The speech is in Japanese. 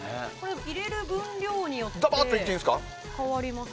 入れる分量によって変わります？